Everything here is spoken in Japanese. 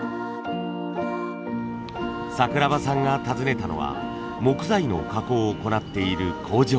桜庭さんが訪ねたのは木材の加工を行っている工場。